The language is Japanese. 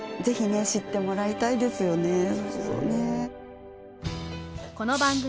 ぜひね知ってもらいたいですよね。